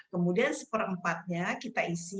kemudian seperempatnya kita isi